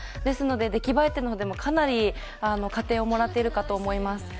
ですので、出来栄え点でもかなり加点をもらっているかと思います。